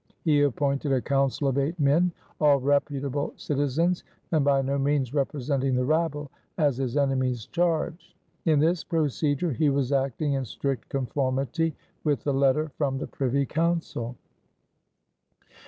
He appointed a council of eight men, all reputable citizens and by no means representing the rabble, as his enemies charged. In this procedure he was acting in strict conformity with the letter from the Privy Council.